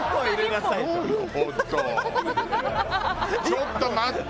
ちょっと待って。